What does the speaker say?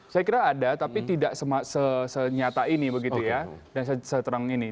saya kira ada tapi tidak senyata ini begitu ya dan seterang ini